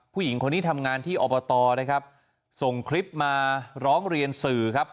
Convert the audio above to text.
ผู้หญิงคนนี้ทำงานที่อบตนะครับส่งคลิปมาร้องเรียนสื่อครับ